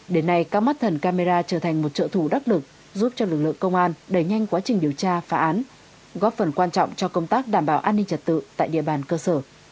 đến nay các mắt thần camera trở thành một trợ thủ đắc lực giúp cho lực lượng công an đẩy nhanh quá trình điều tra phá án góp phần quan trọng cho công tác đảm bảo an ninh trật tự tại địa bàn cơ sở